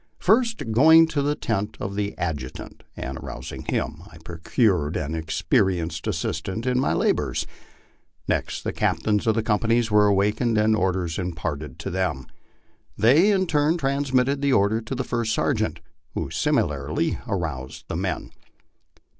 First going to the tent of the adjutant and arousing him, I procured an experienced assistant in my labors. Next the captains of companies were awakened and orders im parted to them. They in turn transmitted the order to the first sergeant, who similarly aroused the men.